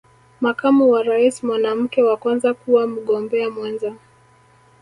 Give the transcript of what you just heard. Makamu wa rais mwanamke wa Kwanza kuwa Mgombea Mwenza